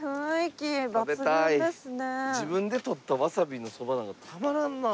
自分でとったわさびの蕎麦なんかたまらんな。